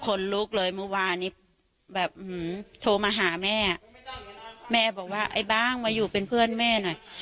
คนลุกเลยเมื่อวานนี้แบบโทรมาหาแม่แม่บอกว่าไอ้บ้างมาอยู่เป็นเพื่อนแม่หน่อย